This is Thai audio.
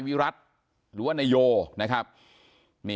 ก็ได้รู้สึกว่ามันกลายเป้าหมาย